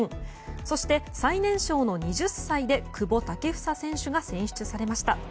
そして、最年少の２０歳で久保建英選手が選出されました。